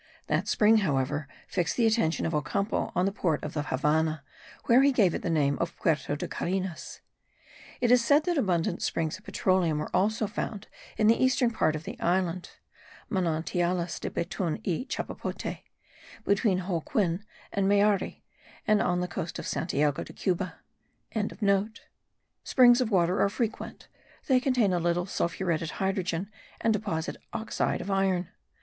That spring, however, fixed the attention of Ocampo on the port of the Havannah, where he gave it the name of Puerto de Carenas. It is said that abundant springs of petroleum are also found in the eastern part of the island (Manantialis de betun y chapapote) between Holguin and Mayari, and on the coast of Santiago de Cuba.) Springs of water are frequent; they contain a little sulphuretted hydrogen, and deposit oxide of iron.